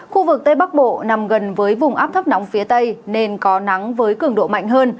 khu vực tây bắc bộ nằm gần với vùng áp thấp nóng phía tây nên có nắng với cường độ mạnh hơn